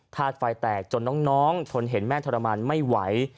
ธาตุไฟแตกจนน้องทนเห็นแม่ทรมานไม่ไหว